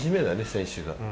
選手が。